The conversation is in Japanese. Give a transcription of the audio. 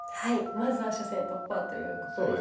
まずは初戦突破ということでしたね。